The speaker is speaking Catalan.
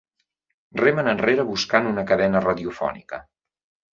Remen enrere buscant una cadena radiofònica.